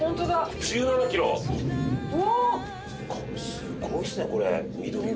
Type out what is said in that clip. すごいですねこれ緑が。